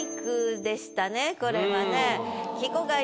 これはね。